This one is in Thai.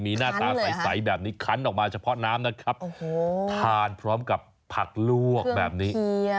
มีหน้าตาใสแบบนี้คันออกมาเฉพาะน้ำนะครับทานพร้อมกับผักลวกแบบนี้